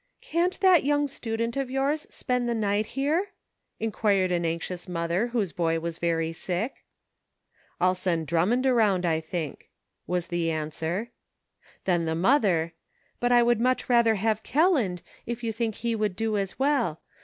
" Can't that young student of yours spend the night here.''" queried an anxious mother whose boy was very sick. " I'll send Drummond around, I think," was the answer ; then the mother :" But I would much rather have Kelland, if you think he would do as well.